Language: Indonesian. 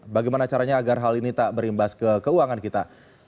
bagaimana caranya agar hal ini tak berimbas ke keuangan kita